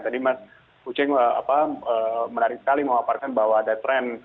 tadi mas kucing menarik sekali mengaparkan bahwa ada tren